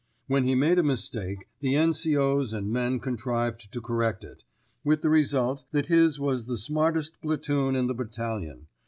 When he made a mistake the N.C.O.'s and men contrived to correct it, with the result that his was the smartest platoon in the battalion.